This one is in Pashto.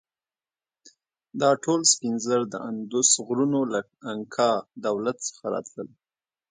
دا ټول سپین زر د اندوس غرونو له انکا دولت څخه راتلل.